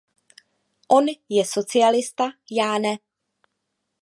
On je socialista, já ne.